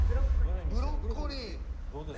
ブロッコリーです。